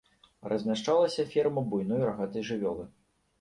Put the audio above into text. Размяшчалася ферма буйной рагатай жывёлы.